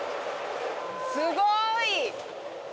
すごい！